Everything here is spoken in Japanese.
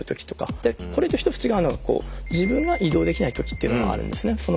でこれと一つ違うのは自分が移動できないときっていうのがあるんですね。